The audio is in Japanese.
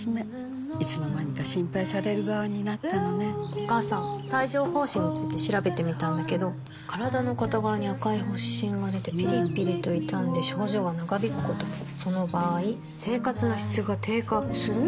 お母さん帯状疱疹について調べてみたんだけど身体の片側に赤い発疹がでてピリピリと痛んで症状が長引くこともその場合生活の質が低下する？